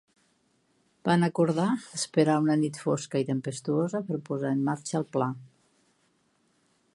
Van acordar esperar una nit fosca i tempestuosa per posa en marxa el pla.